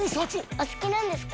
お好きなんですか？